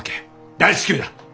大至急だ！